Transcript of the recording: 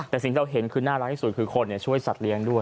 แต่สิ่งที่เราเห็นคือน่ารักที่สุดคือคนช่วยสัตว์เลี้ยงด้วย